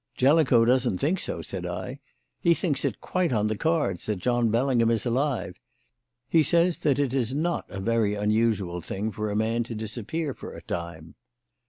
"Jellicoe doesn't think so," said I. "He thinks it quite on the cards that John Bellingham is alive. He says that it is not a very unusual thing for a man to disappear for a time."